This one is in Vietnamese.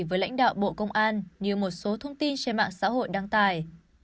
với lãnh đạo bộ công an như một số thông tin trên mạng xã hội đăng tải